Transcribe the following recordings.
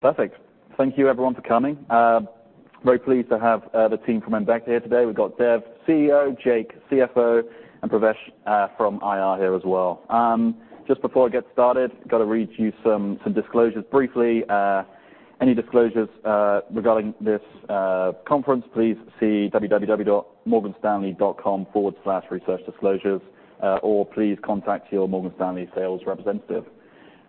Perfect. Thank you everyone for coming. Very pleased to have the team from embecta here today. We've got Dev, CEO, Jake, CFO, and Pravesh from IR here as well. Just before I get started, gotta read you some disclosures briefly. Any disclosures regarding this conference, please see www.morganstanley.com/researchdisclosures, or please contact your Morgan Stanley sales representative.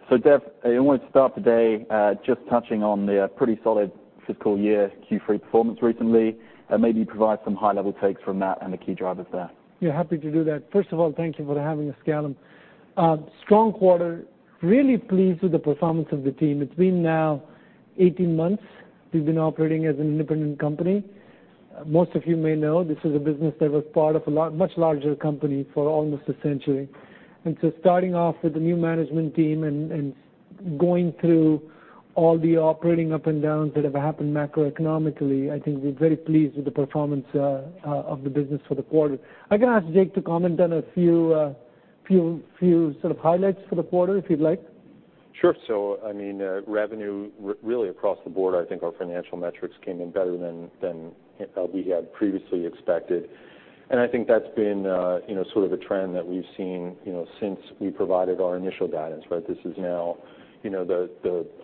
So Dev, I want to start today, just touching on the pretty solid fiscal year Q3 performance recently, and maybe provide some high-level takes from that and the key drivers there. Yeah, happy to do that. First of all, thank you for having us, Callum. Strong quarter, really pleased with the performance of the team. It's been now 18 months we've been operating as an independent company. Most of you may know, this is a business that was part of much larger company for almost a century. So starting off with the new management team and going through all the operating ups and downs that have happened macroeconomically, I think we're very pleased with the performance of the business for the quarter. I can ask Jake to comment on a few sort of highlights for the quarter, if you'd like. Sure. So I mean, revenue really across the board, I think our financial metrics came in better than we had previously expected. And I think that's been, you know, sort of a trend that we've seen, you know, since we provided our initial guidance, right? This is now, you know,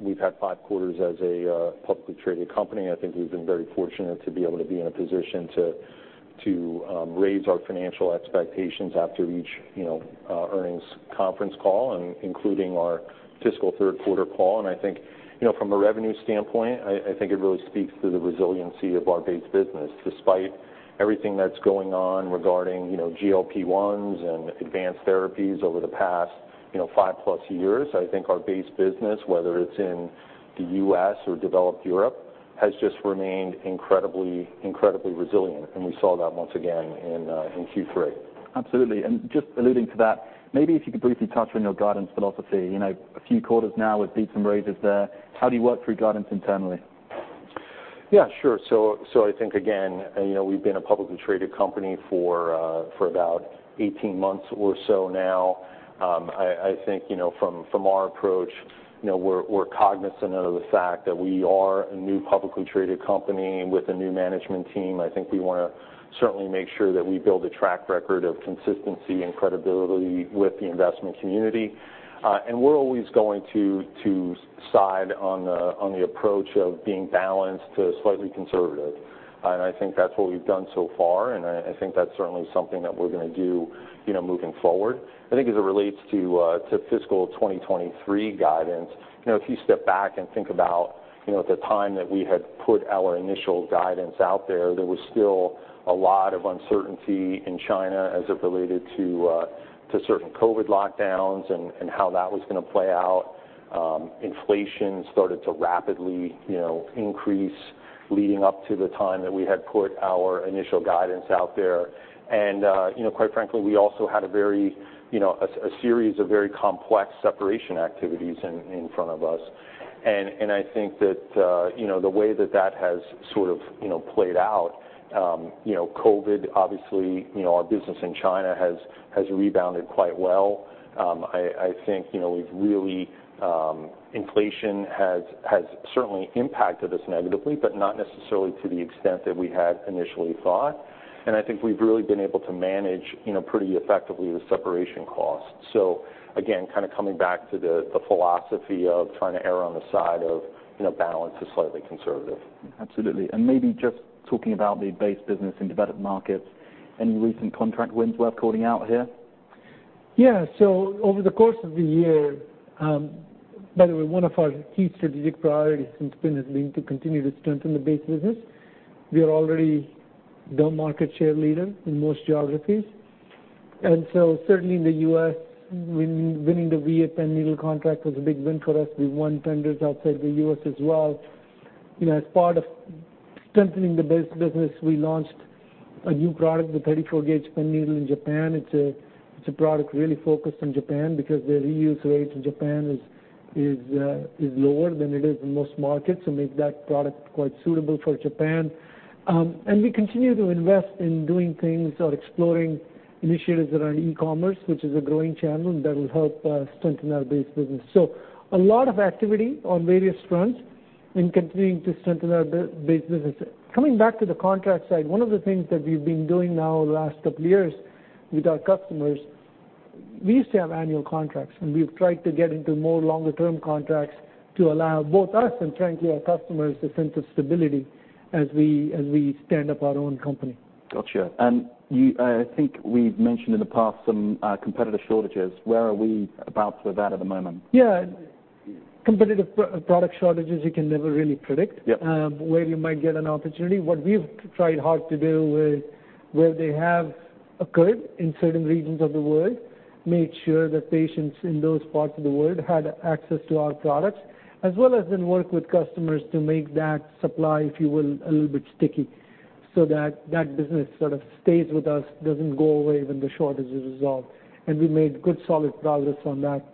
we've had five quarters as a publicly traded company. I think we've been very fortunate to be able to be in a position to raise our financial expectations after each, you know, earnings conference call, and including our fiscal third quarter call. And I think, you know, from a revenue standpoint, I think it really speaks to the resiliency of our base business. Despite everything that's going on regarding, you know, GLP-1s and advanced therapies over the past, you know, five plus years, I think our base business, whether it's in the U.S. or developed Europe, has just remained incredibly, incredibly resilient, and we saw that once again in Q3. Absolutely. Just alluding to that, maybe if you could briefly touch on your guidance philosophy. You know, a few quarters now, we've seen some raises there. How do you work through guidance internally? Yeah, sure. So, I think, again, you know, we've been a publicly traded company for about 18 months or so now. I think, you know, from our approach, you know, we're cognizant of the fact that we are a new publicly traded company with a new management team. I think we wanna certainly make sure that we build a track record of consistency and credibility with the investment community. And we're always going to side on the approach of being balanced to slightly conservative. And I think that's what we've done so far, and I think that's certainly something that we're gonna do, you know, moving forward. I think as it relates to fiscal 2023 guidance, you know, if you step back and think about, you know, at the time that we had put our initial guidance out there, there was still a lot of uncertainty in China as it related to certain COVID lockdowns and how that was gonna play out. Inflation started to rapidly, you know, increase leading up to the time that we had put our initial guidance out there. And, you know, quite frankly, we also had a very, you know, a series of very complex separation activities in front of us. And I think that, you know, the way that that has sort of, you know, played out, you know, COVID, obviously, you know, our business in China has rebounded quite well. I think, you know, we've really. Inflation has certainly impacted us negatively, but not necessarily to the extent that we had initially thought. I think we've really been able to manage, you know, pretty effectively the separation costs. Again, kind of coming back to the philosophy of trying to err on the side of, you know, balance to slightly conservative. Absolutely. Maybe just talking about the base business in developed markets, any recent contract wins worth calling out here? Yeah. So over the course of the year... By the way, one of our key strategic priorities since then has been to continue to strengthen the base business. We are already the market share leader in most geographies, and so certainly in the U.S., winning the VA pen needle contract was a big win for us. We won tenders outside the U.S. as well. You know, as part of strengthening the base business, we launched a new product, the 34-gauge pen needle in Japan. It's a product really focused on Japan because the reuse rate in Japan is lower than it is in most markets, so makes that product quite suitable for Japan. And we continue to invest in doing things or exploring initiatives around e-commerce, which is a growing channel that will help strengthen our base business. So a lot of activity on various fronts and continuing to strengthen our base business. Coming back to the contract side, one of the things that we've been doing now the last couple of years with our customers, we used to have annual contracts, and we've tried to get into more longer-term contracts to allow both us and frankly, our customers, a sense of stability as we stand up our own company. Gotcha. And I think we've mentioned in the past some competitive shortages. Where are we about with that at the moment? Yeah. Competitive product shortages, you can never really predict. Yep... where you might get an opportunity. What we've tried hard to do is, where they have occurred in certain regions of the world, made sure that patients in those parts of the world had access to our products, as well as then work with customers to make that supply, if you will, a little bit sticky, so that that business sort of stays with us, doesn't go away when the shortage is resolved. We made good, solid progress on that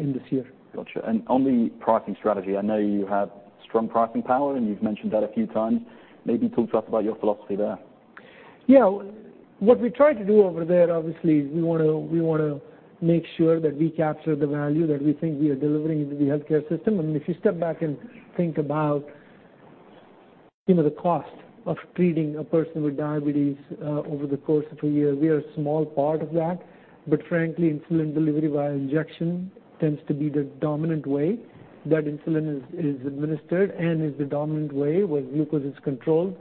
in this year. Gotcha. On the pricing strategy, I know you have strong pricing power, and you've mentioned that a few times. Maybe talk to us about your philosophy there.... Yeah, what we try to do over there, obviously, is we wanna, we wanna make sure that we capture the value that we think we are delivering into the healthcare system. And if you step back and think about, you know, the cost of treating a person with diabetes over the course of a year, we are a small part of that. But frankly, insulin delivery via injection tends to be the dominant way that insulin is administered and is the dominant way where glucose is controlled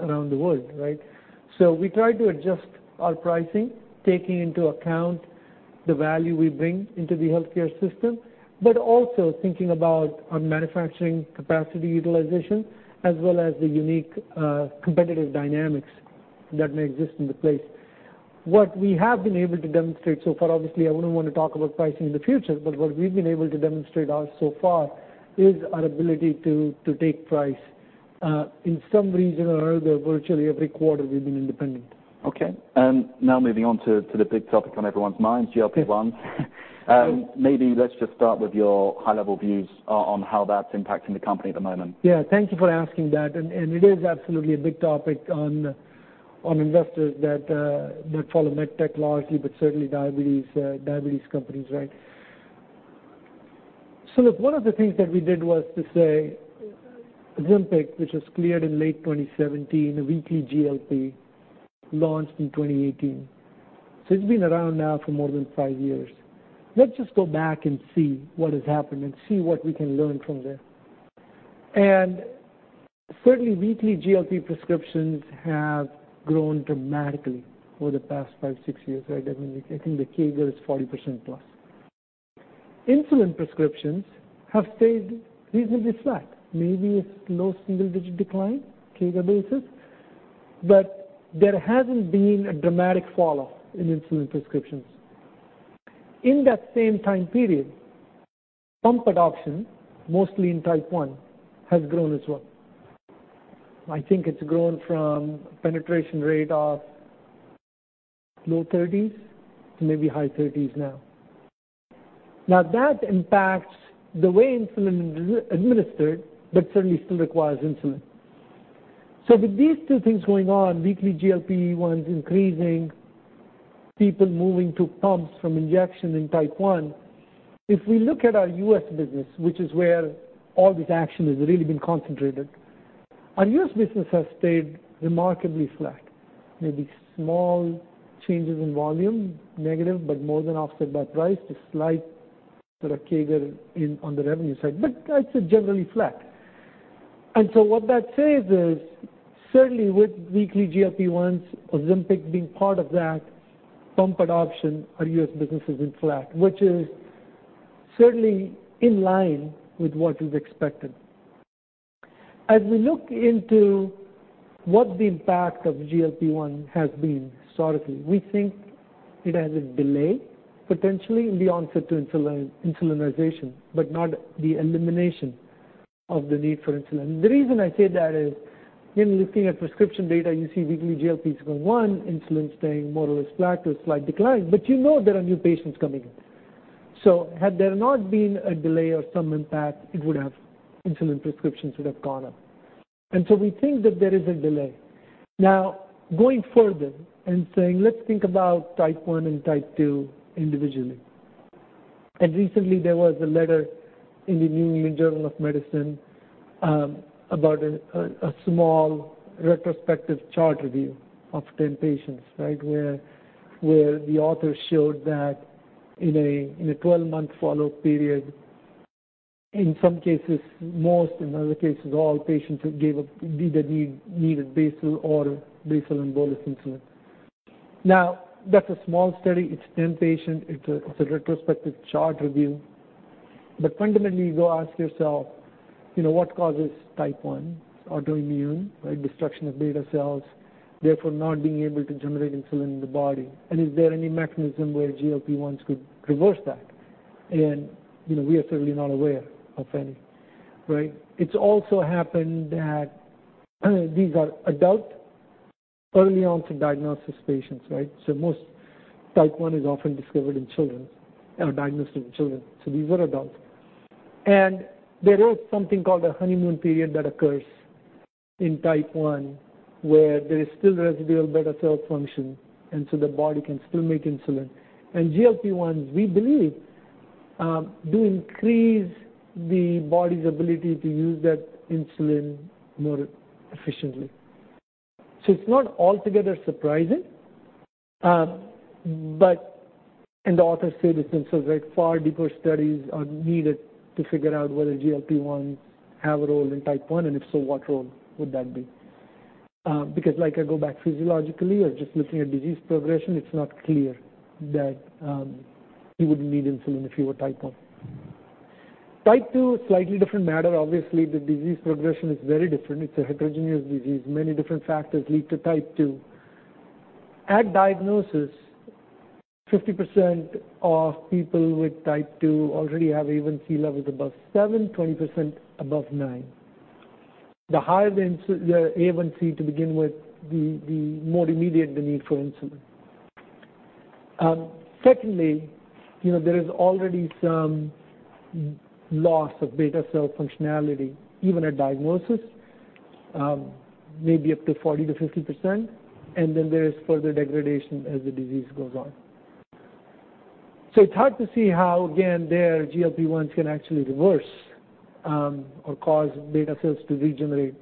around the world, right? So we try to adjust our pricing, taking into account the value we bring into the healthcare system, but also thinking about our manufacturing capacity utilization, as well as the unique competitive dynamics that may exist in the place. What we have been able to demonstrate so far, obviously, I wouldn't want to talk about pricing in the future, but what we've been able to demonstrate so far is our ability to take price in some region or another, virtually every quarter we've been independent. Okay. And now moving on to the big topic on everyone's mind, GLP-1. So- Maybe let's just start with your high-level views on how that's impacting the company at the moment. Yeah, thank you for asking that. And it is absolutely a big topic on investors that follow med tech largely, but certainly diabetes companies, right? So look, one of the things that we did was to say, Ozempic, which was cleared in late 2017, a weekly GLP, launched in 2018. So it's been around now for more than five years. Let's just go back and see what has happened and see what we can learn from there. And certainly, weekly GLP prescriptions have grown dramatically over the past five, six years, right? I mean, I think the CAGR is 40% plus. Insulin prescriptions have stayed reasonably flat. Maybe a low single-digit decline, CAGR basis, but there hasn't been a dramatic fall-off in insulin prescriptions. In that same time period, pump adoption, mostly in Type 1, has grown as well. I think it's grown from penetration rate of low 30s to maybe high 30s now. Now, that impacts the way insulin is administered, but certainly still requires insulin. So with these two things going on, weekly GLP-1s increasing, people moving to pumps from injection in Type 1, if we look at our U.S. business, which is where all this action has really been concentrated, our U.S. business has stayed remarkably flat. Maybe small changes in volume, negative, but more than offset by price, a slight sort of CAGR in, on the revenue side, but it's generally flat. And so what that says is, certainly with weekly GLP-1s, Ozempic being part of that pump adoption, our U.S. business is flat, which is certainly in line with what is expected. As we look into what the impact of GLP-1 has been historically, we think it has a delay, potentially in the onset to insulin, insulinization, but not the elimination of the need for insulin. The reason I say that is, in looking at prescription data, you see weekly GLP-1 is going one, insulin staying more or less flat or a slight decline, but you know there are new patients coming in. So had there not been a delay or some impact, it would have... insulin prescriptions would have gone up. And so we think that there is a delay. Now, going further and saying, let's think about Type 1 and Type 2 individually. Recently there was a letter in the New England Journal of Medicine about a small retrospective chart review of 10 patients, right? Where the author showed that in a 12-month follow-up period, in some cases, most, in other cases, all patients gave up—didn't need basal or basal-bolus insulin. Now, that's a small study. It's 10 patients. It's a retrospective chart review. But fundamentally, you go ask yourself, you know, what causes Type 1? It's autoimmune, right? Destruction of beta cells, therefore, not being able to generate insulin in the body. And is there any mechanism where GLP-1s could reverse that? And, you know, we are certainly not aware of any, right? It's also happened that these are adult, early-onset diagnosis patients, right? So most Type 1 is often discovered in children, or diagnosed in children, so these are adults. There is something called a honeymoon period that occurs in Type 1, where there is still residual beta cell function, and so the body can still make insulin. GLP-1, we believe, do increase the body's ability to use that insulin more efficiently. So it's not altogether surprising, but... And the author said it himself, right, "Far deeper studies are needed to figure out whether GLP-1 have a role in Type 1, and if so, what role would that be?" Because, like, I go back physiologically or just looking at disease progression, it's not clear that you would need insulin if you were Type 1. Type 2, a slightly different matter. Obviously, the disease progression is very different. It's a heterogeneous disease. Many different factors lead to Type 2. At diagnosis, 50% of people with Type 2 already have A1C levels above 7, 20% above 9. The higher the A1C to begin with, the more immediate the need for insulin. Secondly, you know, there is already some loss of beta cell functionality, even at diagnosis, maybe up to 40%-50%, and then there is further degradation as the disease goes on. So it's hard to see how, again, their GLP-1s can actually reverse, or cause beta cells to regenerate,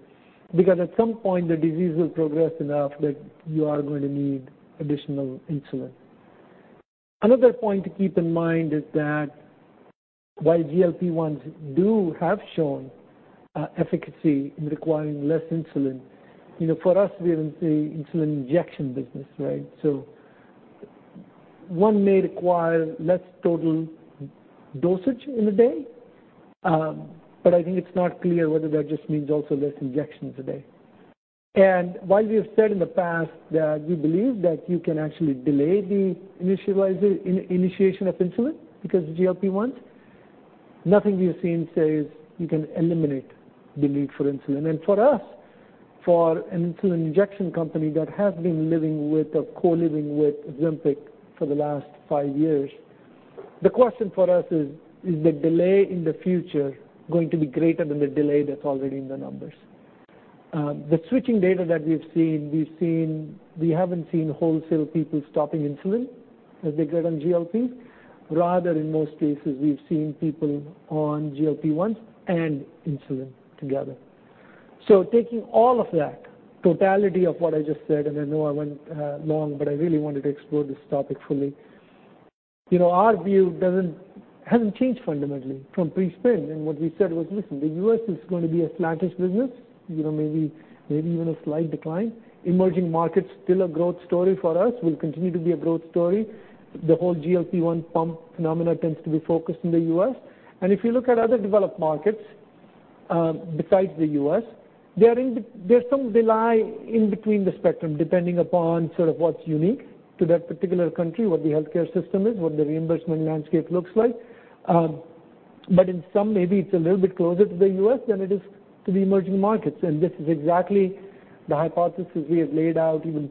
because at some point, the disease will progress enough that you are going to need additional insulin. Another point to keep in mind is that while GLP-1s do have shown, efficacy in requiring less insulin, you know, for us, we are an insulin injection business, right? One may require less total dosage in the day, but I think it's not clear whether that just means also less injections a day. While we have said in the past that we believe that you can actually delay the initiation of insulin because of GLP-1, nothing we've seen says you can eliminate the need for insulin. For us, for an insulin injection company that has been living with or co-living with Ozempic for the last five years, the question for us is: Is the delay in the future going to be greater than the delay that's already in the numbers? The switching data that we've seen, we haven't seen wholesale people stopping insulin as they get on GLP. Rather, in most cases, we've seen people on GLP-1 and insulin together. So taking all of that, totality of what I just said, and I know I went long, but I really wanted to explore this topic fully. You know, our view doesn't, hasn't changed fundamentally from pre-spin, and what we said was, listen, the U.S. is going to be a flattish business, you know, maybe, maybe even a slight decline. Emerging markets, still a growth story for us, will continue to be a growth story. The whole GLP-1 pump phenomena tends to be focused in the U.S. And if you look at other developed markets, besides the U.S., there's some delay in between the spectrum, depending upon sort of what's unique to that particular country, what the healthcare system is, what the reimbursement landscape looks like. But in some, maybe it's a little bit closer to the U.S. than it is to the emerging markets. This is exactly the hypothesis we have laid out, even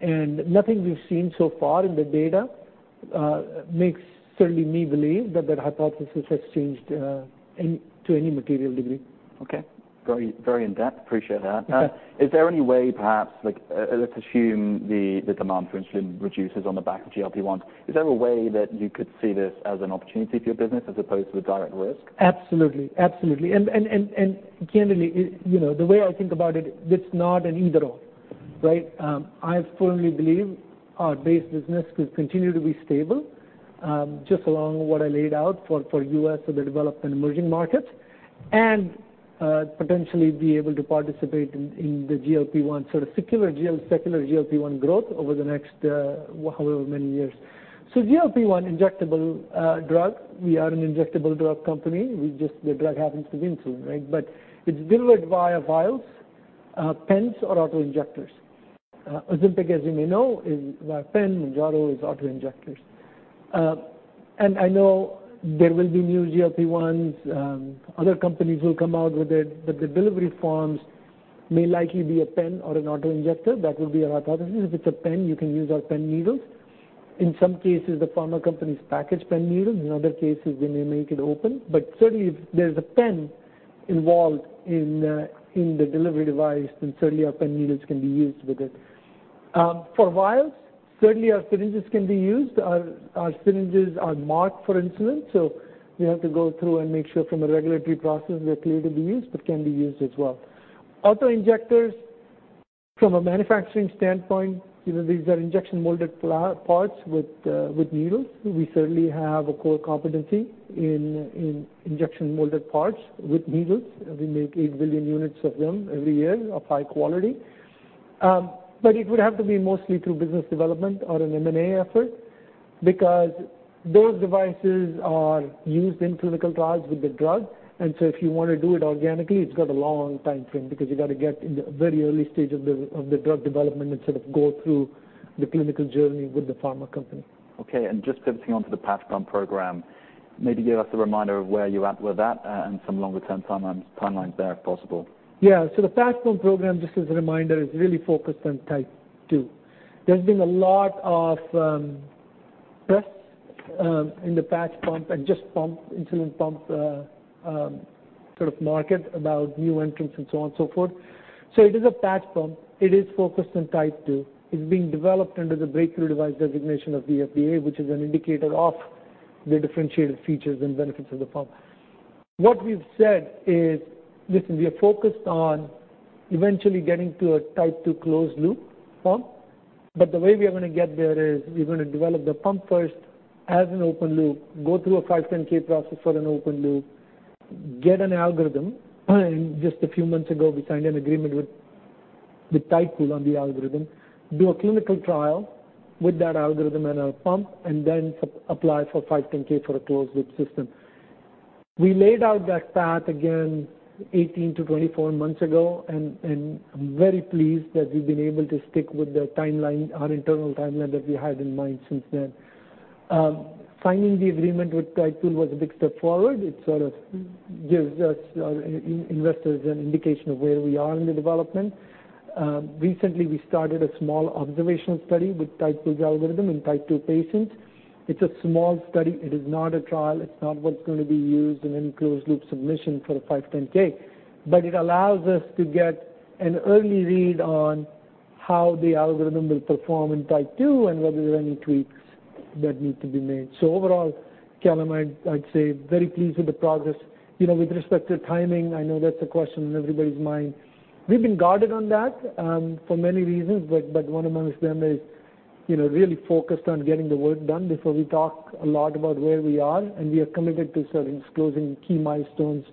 pre-spin. Nothing we've seen so far in the data makes certainly me believe that that hypothesis has changed to any material degree. Okay. Very, very in-depth. Appreciate that. Okay. Is there any way, perhaps, like, let's assume the demand for insulin reduces on the back of GLP-1. Is there a way that you could see this as an opportunity for your business as opposed to a direct risk? Absolutely. Absolutely. Candidly, you know, the way I think about it, it's not an either/or, right? I firmly believe our base business will continue to be stable, just along what I laid out for the U.S. or the developed and emerging markets, and potentially be able to participate in the GLP-1, sort of secular GLP-1 growth over the next however many years. So GLP-1 injectable drug, we are an injectable drug company. We just, the drug happens to be insulin, right? But it's delivered via vials, pens, or auto-injectors. Ozempic, as you may know, is via pen, Mounjaro is auto-injectors. And I know there will be new GLP-1s, other companies will come out with it, but the delivery forms may likely be a pen or an auto-injector. That would be our hypothesis. If it's a pen, you can use our pen needles. In some cases, the pharma companies package pen needles. In other cases, they may make it open. But certainly if there's a pen involved in the delivery device, then certainly our pen needles can be used with it. For vials, certainly our syringes can be used. Our syringes are marked for insulin, so we have to go through and make sure from a regulatory process they're clear to be used, but can be used as well. Auto-injectors, from a manufacturing standpoint, you know, these are injection molded parts with needles. We certainly have a core competency in injection molded parts with needles. We make 8 billion units of them every year of high quality. But it would have to be mostly through business development or an M&A effort because those devices are used in clinical trials with the drug. So if you want to do it organically, it's got a long time frame, because you got to get in the very early stage of the drug development and sort of go through the clinical journey with the pharma company. Okay, and just pivoting onto the patch pump program, maybe give us a reminder of where you're at with that, and some longer-term timelines there, if possible. Yeah. So the patch pump program, just as a reminder, is really focused on Type 2. There's been a lot of press in the patch pump and just pump, insulin pump, sort of market about new entrants and so on and so forth. So it is a patch pump. It is focused on Type 2. It's being developed under the breakthrough device designation of the FDA, which is an indicator of the differentiated features and benefits of the pump. What we've said is, listen, we are focused on eventually getting to a Type 2 closed loop pump, but the way we are gonna get there is we're gonna develop the pump first as an open loop, go through a 510(k) process for an open loop, get an algorithm, and just a few months ago, we signed an agreement with Tidepool on the algorithm, do a clinical trial with that algorithm and our pump, and then apply for 510(k) for a closed loop system. We laid out that path again 18 to 24 months ago, and I'm very pleased that we've been able to stick with the timeline, our internal timeline that we had in mind since then. Signing the agreement with Tidepool was a big step forward. It sort of gives us investors an indication of where we are in the development. Recently, we started a small observational study with Tidepool's algorithm in Type 2 patients. It's a small study. It is not a trial. It's not what's gonna be used in any closed loop submission for the 510(k). But it allows us to get an early read on how the algorithm will perform in Type 2, and whether there are any tweaks that need to be made. So overall, Callum, I'd say very pleased with the progress. You know, with respect to timing, I know that's a question on everybody's mind. We've been guarded on that, for many reasons, but one amongst them is, you know, really focused on getting the work done before we talk a lot about where we are. We are committed to sort of disclosing key milestones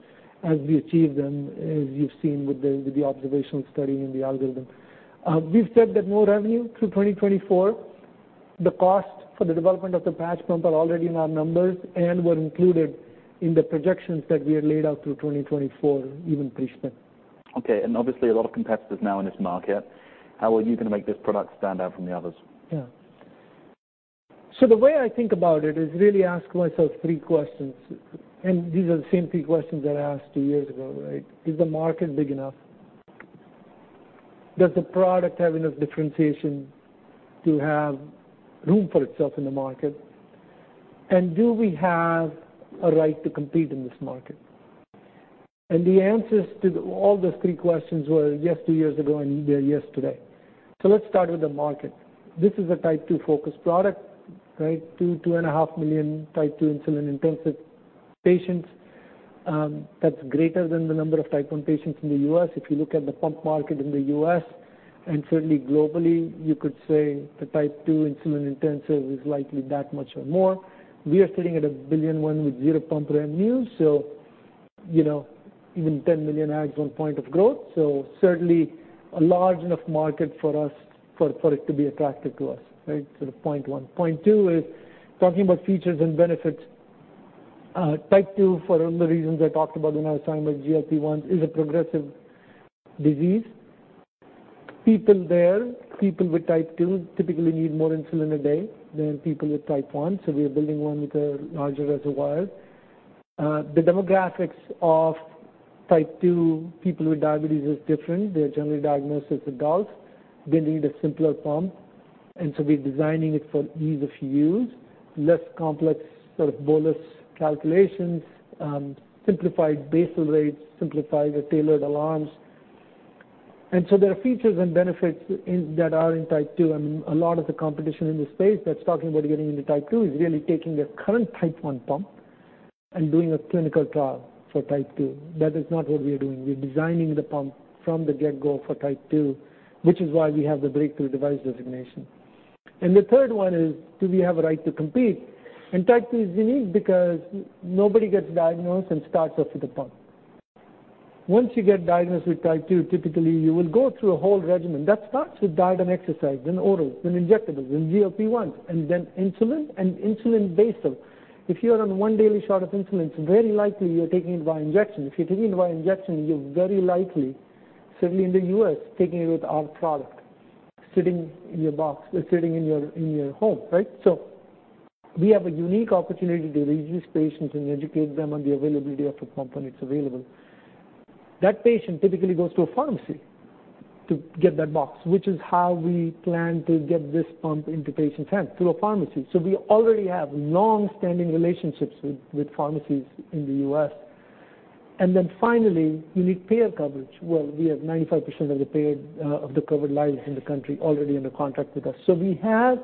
as we achieve them, as you've seen with the observational study in the algorithm. We've said that no revenue through 2024. The cost for the development of the patch pump are already in our numbers and were included in the projections that we had laid out through 2024, even pre-spin. Okay. Obviously, a lot of competitors now in this market. How are you gonna make this product stand out from the others? Yeah. So the way I think about it is really ask myself three questions, and these are the same three questions that I asked two years ago, right? Is the market big enough? Does the product have enough differentiation to have room for itself in the market? And do we have a right to compete in this market? And the answers to all those three questions were yes, two years ago, and they're yes today. So let's start with the market. This is a Type 2-focused product, right? 2.5 million Type 2 insulin-intensive patients. That's greater than the number of Type 1 patients in the U.S. If you look at the pump market in the U.S., and certainly globally, you could say the Type 2 insulin-intensive is likely that much or more. We are sitting at $1 billion with zero pump revenue, so, you know, even $10 million adds on point of growth. So certainly a large enough market for us for it to be attractive to us, right? So the point one. Point two is talking about features and benefits. Type 2, for all the reasons I talked about when I was talking about GLP-1, is a progressive disease. People with Type 2 typically need more insulin a day than people with Type 1, so we are building one with a larger reservoir. The demographics of Type 2 people with diabetes is different. They're generally diagnosed as adults. They need a simpler pump, and so we're designing it for ease of use, less complex sort of bolus calculations, simplified basal rates, simplified or tailored alarms. And so there are features and benefits in, that are in Type 2, and a lot of the competition in this space that's talking about getting into Type 2 is really taking their current Type 1 pump and doing a clinical trial for Type 2. That is not what we are doing. We're designing the pump from the get-go for Type 2, which is why we have the breakthrough device designation. And the third one is, do we have a right to compete? And Type 2 is unique because nobody gets diagnosed and starts off with a pump. Once you get diagnosed with Type 2, typically you will go through a whole regimen. That starts with diet and exercise, then oral, then injectable, then GLP-1, and then insulin and insulin basal. If you are on one daily shot of insulin, it's very likely you're taking it by injection. If you're taking it by injection, you're very likely, certainly in the U.S., taking it with our product, sitting in your box or sitting in your home, right? So we have a unique opportunity to reach these patients and educate them on the availability of the pump when it's available. That patient typically goes to a pharmacy to get that box, which is how we plan to get this pump into patients' hands, through a pharmacy. So we already have long-standing relationships with pharmacies in the U.S. And then finally, you need payer coverage. Well, we have 95% of the payer of the covered lives in the country already under contract with us. So we have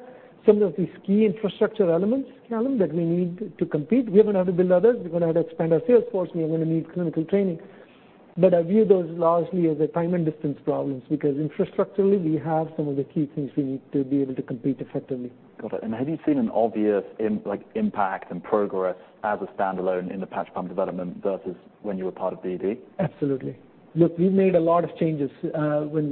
some of these key infrastructure elements, Callum, that we need to compete. We are gonna have to build others. We're gonna have to expand our sales force, and we are gonna need clinical training. But I view those largely as a time and distance problems, because infrastructurally, we have some of the key things we need to be able to compete effectively. Got it. And have you seen an obvious like, impact and progress as a standalone in the patch pump development versus when you were part of BD? Absolutely. Look, we made a lot of changes when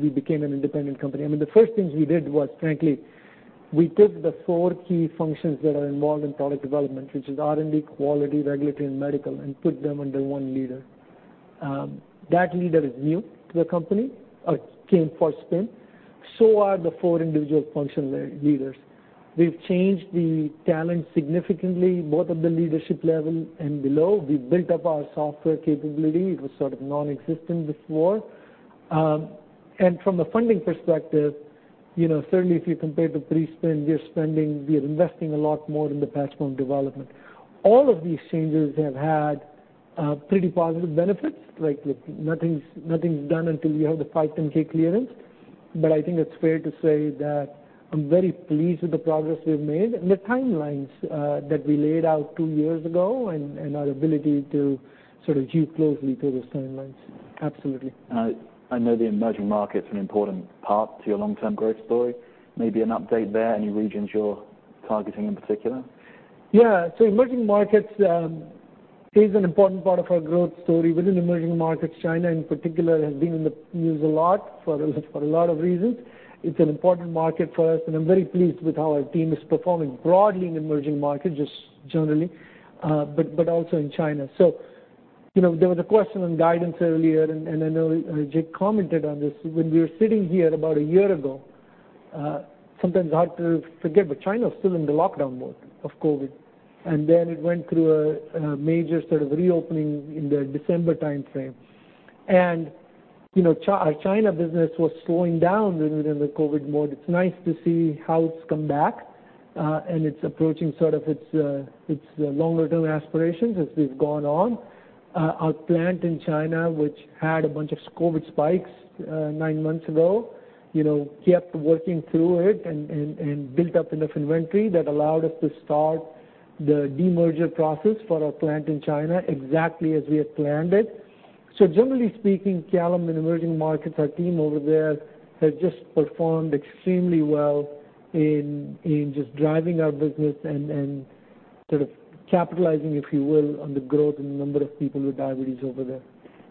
we became an independent company. I mean, the first things we did was, frankly, we took the four key functions that are involved in product development, which is R&D, quality, regulatory, and medical, and put them under one leader. That leader is new to the company, came for spin, so are the four individual functional leaders. We've changed the talent significantly, both at the leadership level and below. We've built up our software capability. It was sort of non-existent before. And from a funding perspective, you know, certainly if you compare to pre-spin, we are investing a lot more in the patch pump development. All of these changes have had pretty positive benefits. Like, look, nothing's done until you have the 510(k) clearance. But I think it's fair to say that I'm very pleased with the progress we've made and the timelines that we laid out two years ago, and our ability to sort of hew closely to those timelines. Absolutely. I know the emerging market's an important part to your long-term growth story. Maybe an update there, any regions you're targeting in particular? Yeah. So emerging markets is an important part of our growth story. Within emerging markets, China in particular, has been in the news a lot for a, for a lot of reasons. It's an important market for us, and I'm very pleased with how our team is performing broadly in emerging markets, just generally, but also in China. You know, there was a question on guidance earlier, and I know Jake commented on this. When we were sitting here about a year ago, sometimes hard to forget, but China was still in the lockdown mode of COVID, and then it went through a, a major sort of reopening in the December timeframe. And, you know, our China business was slowing down during the COVID mode. It's nice to see how it's come back, and it's approaching sort of its, its longer-term aspirations as we've gone on. Our plant in China, which had a bunch of COVID spikes, nine months ago, you know, kept working through it and built up enough inventory that allowed us to start the demerger process for our plant in China exactly as we had planned it. So generally speaking, Callum, in emerging markets, our team over there has just performed extremely well in just driving our business and sort of capitalizing, if you will, on the growth in the number of people with diabetes over there.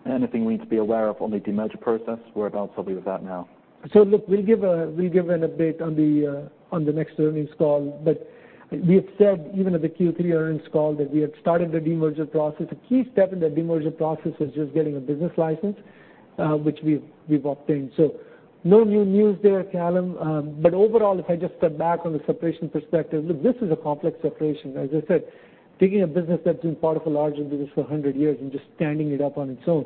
Anything we need to be aware of on the demerger process? Whereabouts are we with that now? So look, we'll give an update on the next earnings call. But we have said, even at the Q3 earnings call, that we had started the demerger process. A key step in that demerger process was just getting a business license, which we've obtained. So no new news there, Callum. But overall, if I just step back on the separation perspective, look, this is a complex separation. As I said, taking a business that's been part of a larger business for a hundred years and just standing it up on its own.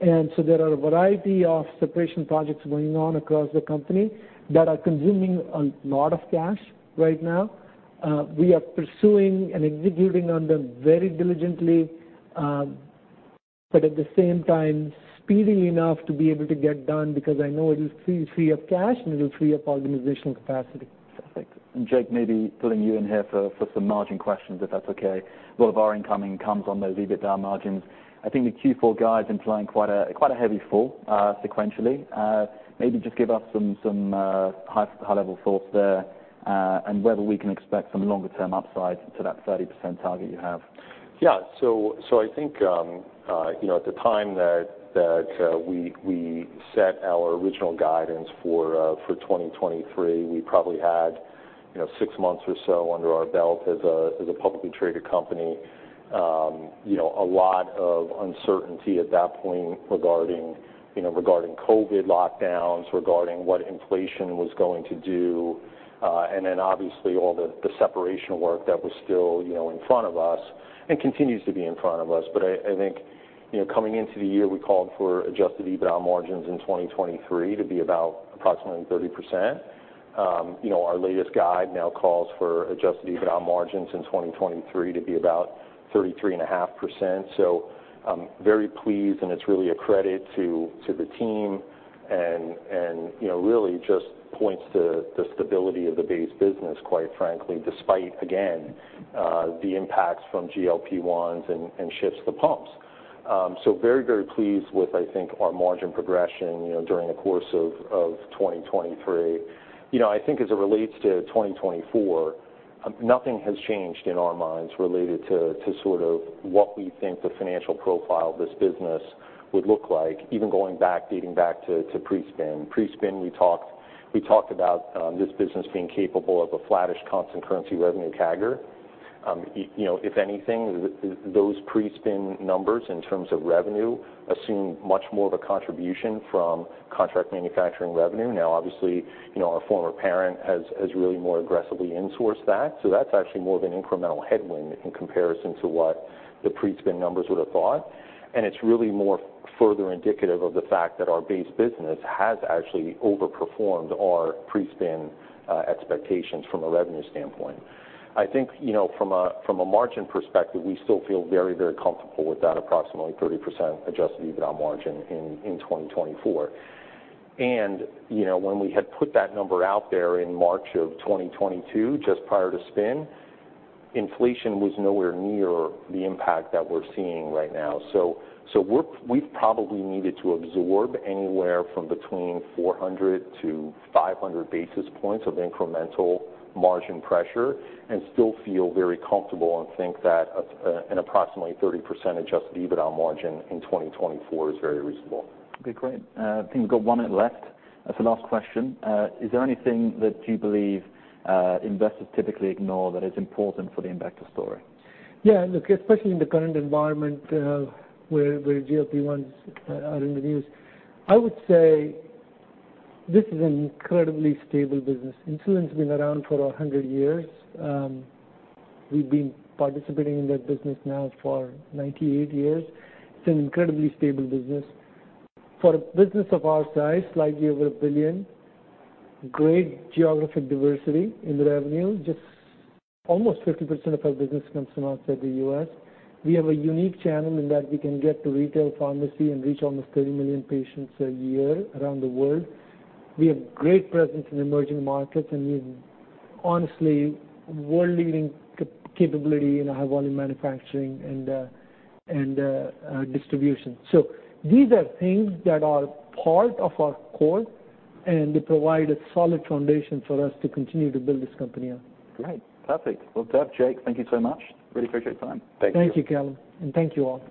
And so there are a variety of separation projects going on across the company that are consuming a lot of cash right now. We are pursuing and executing on them very diligently, but at the same time, speeding enough to be able to get done because I know it'll free up cash, and it'll free up organizational capacity. Perfect. Jake, maybe pulling you in here for some margin questions, if that's okay. A lot of our incoming comes on those EBITDA margins. I think the Q4 guide's implying quite a heavy fall sequentially. Maybe just give us some high-level thoughts there, and whether we can expect some longer-term upside to that 30% target you have. Yeah. So I think, you know, at the time that we set our original guidance for 2023, we probably had, you know, six months or so under our belt as a publicly traded company. You know, a lot of uncertainty at that point regarding, you know, regarding COVID lockdowns, regarding what inflation was going to do, and then obviously, all the separation work that was still, you know, in front of us, and continues to be in front of us. But I think, you know, coming into the year, we called for Adjusted EBITDA margins in 2023 to be about approximately 30%. You know, our latest guide now calls for Adjusted EBITDA margins in 2023 to be about 33.5%. So I'm very pleased, and it's really a credit to the team and, you know, really just points to the stability of the base business, quite frankly, despite, again, the impacts from GLP-1s and shifts to pumps. So very, very pleased with, I think, our margin progression, you know, during the course of 2023. You know, I think as it relates to 2024, nothing has changed in our minds related to sort of what we think the financial profile of this business would look like, even going back—dating back to pre-spin. Pre-spin, we talked about this business being capable of a flattish constant currency revenue CAGR. You know, if anything, those pre-spin numbers in terms of revenue assume much more of a contribution from contract manufacturing revenue. Now, obviously, you know, our former parent has really more aggressively insourced that, so that's actually more of an incremental headwind in comparison to what the pre-spin numbers would have thought. And it's really more further indicative of the fact that our base business has actually overperformed our pre-spin expectations from a revenue standpoint. I think, you know, from a margin perspective, we still feel very, very comfortable with that approximately 30% Adjusted EBITDA margin in 2024. And, you know, when we had put that number out there in March 2022, just prior to spin, inflation was nowhere near the impact that we're seeing right now. We've probably needed to absorb anywhere from between 400-500 basis points of incremental margin pressure and still feel very comfortable and think that an approximately 30% Adjusted EBITDA margin in 2024 is very reasonable. Okay, great. I think we've got one minute left. As a last question, is there anything that you believe investors typically ignore that is important for the Impact story? Yeah, look, especially in the current environment, where GLP-1s are in the news, I would say this is an incredibly stable business. Insulin's been around for 100 years. We've been participating in that business now for 98 years. It's an incredibly stable business. For a business of our size, slightly over $1 billion, great geographic diversity in the revenue. Just almost 50% of our business comes from outside the U.S. We have a unique channel in that we can get to retail pharmacy and reach almost 30 million patients a year around the world. We have great presence in emerging markets and honestly, world-leading capability in high-volume manufacturing and distribution. So these are things that are part of our core, and they provide a solid foundation for us to continue to build this company on. Great. Perfect. Well, Dev, Jake, thank you so much. Really appreciate your time. Thank you. Thank you, Callum, and thank you all.